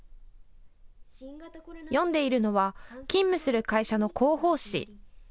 読んでいるのは勤務する会社の広報誌。